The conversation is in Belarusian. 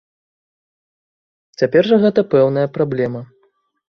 Цяпер жа гэта пэўная праблема.